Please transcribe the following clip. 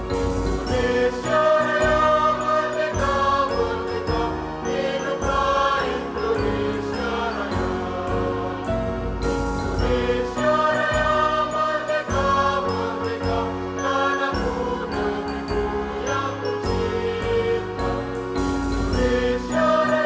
indonesia raya merdeka merdeka hiduplah indonesia raya